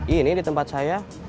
ini di tempat saya